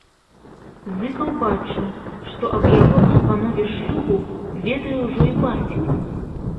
Зыкаў бачыў, што аб яго прапанове шлюбу ведае ўжо і бацька.